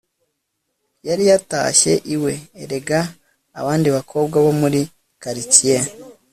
yari yatashye iwe. erega, abandi bakobwa bo muri quartier